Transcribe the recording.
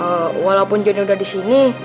eh walaupun johnny udah di sini